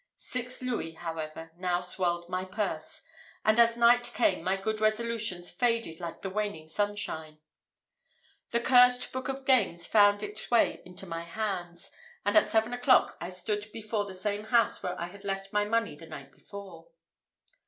Six louis, however, now swelled my purse; and as night came, my good resolutions faded like the waning sunshine. The cursed book of games found its way into my hands, and at seven o'clock I stood before the same house where I had left my money the night before.